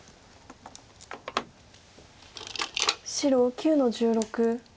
白９の十六。